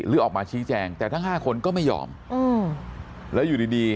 หรือออกมาชี้แจงแต่ทั้ง๕คนก็ไม่ยอมแล้วอยู่ดีดี